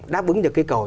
đáp ứng được cái cầu